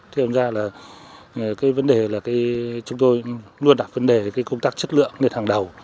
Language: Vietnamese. thế ông ra là cái vấn đề là chúng tôi luôn đặt vấn đề cái công tác chất lượng lên hàng đầu